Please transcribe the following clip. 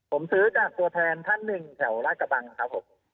ผมซื้อจากตัวแทนท่านหนึ่งแถวราชกระบังครับผม